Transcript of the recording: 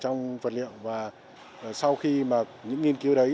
trong vật liệu và sau khi mà những nghiên cứu đấy